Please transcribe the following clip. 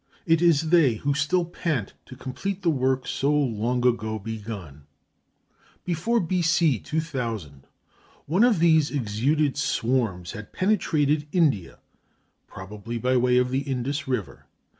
It is they who still pant to complete the work so long ago begun. Before B.C. 2000 one of these exuded swarms had penetrated India, probably by way of the Indus River.